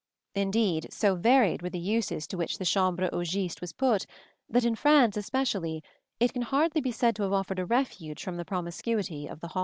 Indeed, so varied were the uses to which the chambre au giste was put, that in France especially it can hardly be said to have offered a refuge from the promiscuity of the hall.